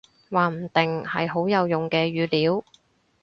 話唔定，係好有用嘅語料